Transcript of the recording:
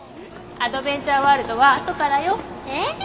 アドベンチャーワールドはあとからよ。ええーっ！